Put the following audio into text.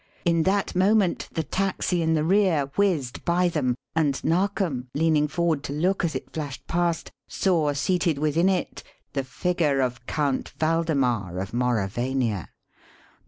In that moment the taxi in the rear whizzed by them, and Narkom, leaning forward to look as it flashed past, saw seated within it the figure of Count Waldemar of Mauravania.